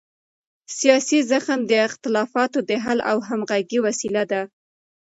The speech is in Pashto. سیاسي زغم د اختلافاتو د حل او همغږۍ وسیله ده